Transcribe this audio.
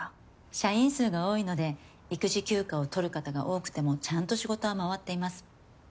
社員数が多いので育児休暇を取る方が多くてもちゃんと仕事は回っています。